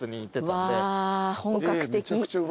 わ本格的。